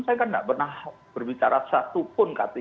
saya kan tidak pernah berbicara satupun kata